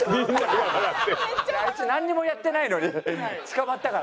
あいつなんにもやってないのに捕まったから。